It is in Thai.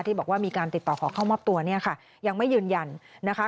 ที่บอกว่ามีการติดต่อขอเข้ามอบตัวเนี่ยค่ะยังไม่ยืนยันนะคะ